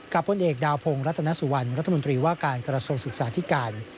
พลเอกดาวพงศ์รัตนสุวรรณรัฐมนตรีว่าการกระทรวงศึกษาธิการ